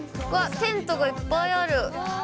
テントがいっぱいある。